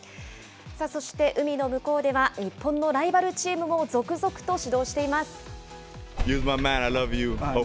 そして、海の向こうでは日本のライバルチームも続々と始動しています。